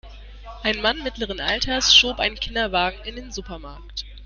Ein Mann mittleren Alters schob einen Kinderwagen in den Supermarkt.